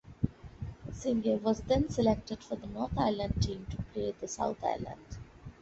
Singe was then selected for the North Island team to play the South Island.